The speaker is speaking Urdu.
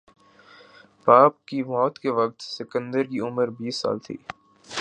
باپ کی موت کے وقت سکندر کی عمر بیس سال تھی